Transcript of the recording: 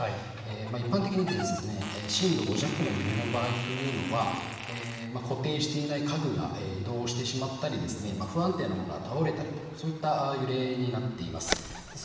一般的に震度５弱の揺れの場合というのは固定していない家具が移動してしまったり、不安定なものは倒れてしまう、そういった揺れになっています。